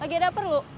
lagi ada apa lu